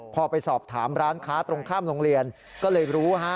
พอไปสอบถามร้านค้าตรงข้ามโรงเรียนก็เลยรู้ฮะ